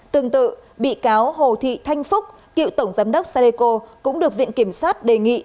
tương tự bị cáo hồ thị thanh phúc cựu tổng giám đốc sadeco cũng được viện kiểm sát đề nghị